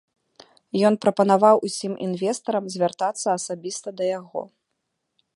Ён прапанаваў усім інвестарам звяртацца асабіста да яго.